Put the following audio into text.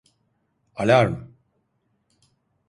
Alarm!